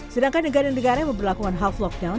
sedangkan negara negara yang memperlakukan half lockdown